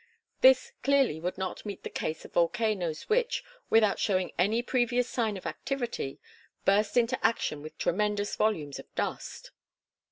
This clearly would not meet the case of volcanoes which, without showing any previous signs of activity, burst into action with tremendous volumes of dust.